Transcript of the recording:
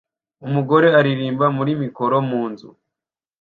Umugore aririmba muri mikoro mu nzu